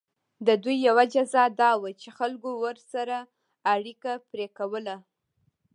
د دوی یوه جزا دا وه چې خلکو ورسره اړیکه پرې کوله.